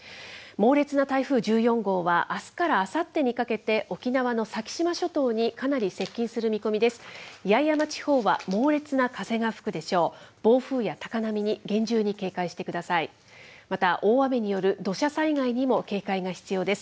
猛烈な台風１４号は、あすからあさってにかけて沖縄の先島諸島にかなり接近する見込みです。